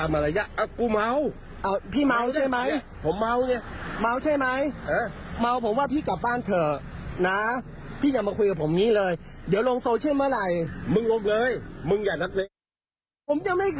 แม่พี่เม้านี่เปล่า